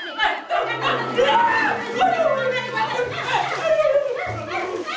saya gak bakal mulai lagi mau kuluk katanya